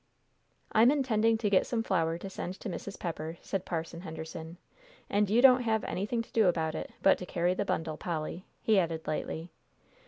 "I'm intending to get some flour to send to Mrs. Pepper," said Parson Henderson, "and you don't have anything to do about it, but to carry the bundle, Polly," he added lightly.